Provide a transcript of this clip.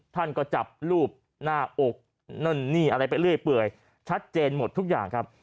ท่านก็จับรูปหน้าอกนั่นนี่อะไรไปเรื่อยเปื่อยชัดเจนหมดทุกอย่างครับ